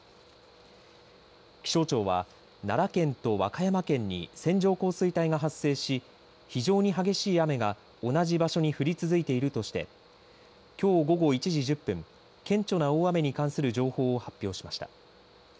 気象庁は奈良県と和歌山県に線状降水帯が発生し非常に激しい雨が同じ場所に降り続いているとしてきょう午後１時１０分、顕著な大雨に関する情報を発表しました。